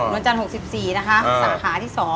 วันจันทร์๖๔นะคะสาขาที่๒